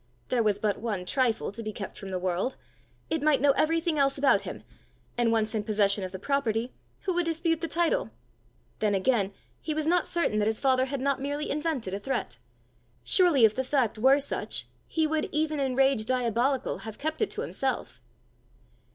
There was but one trifle to be kept from the world; it might know everything else about him! and once in possession of the property, who would dispute the title? Then again he was not certain that his father had not merely invented a threat! Surely if the fact were such, he would, even in rage diabolic, have kept it to himself!